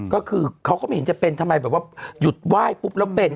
ก็คือเขาก็ไม่เห็นจะเป็นทำไมแบบว่าหยุดไหว้ปุ๊บแล้วเป็น